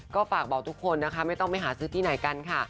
ก็ฝากบอกทุกคนนะคะไม่ต้องไปหาซื้อที่ไหนกันค่ะ